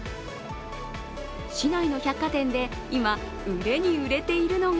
市内の百貨店で今、売れに売れているのが